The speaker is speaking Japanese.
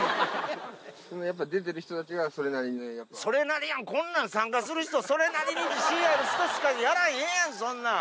やっぱ出てる人たちがそれなそれなりやん、こんな参加する人、それなりに自信ある人しかやらへんやん、そんなん。